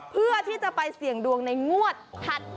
เพื่อที่จะไปเสี่ยงดวงในงวดถัดไป